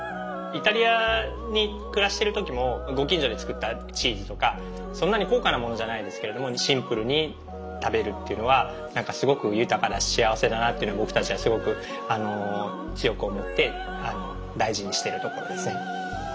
イタリアに暮らしてる時もご近所で作ったチーズとかそんなに高価なものじゃないんですけれどもシンプルに食べるっていうのは何かすごく豊かだし幸せだなっていうのは僕たちはすごく強く思って大事にしているところですね。